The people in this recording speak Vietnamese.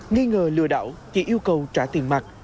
nghi ngờ lừa đảo chị yêu cầu trả tiền mặt